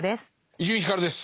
伊集院光です。